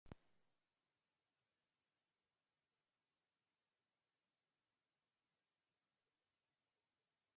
هەرکەس مەغروور بوو تەسخیری ئەکرد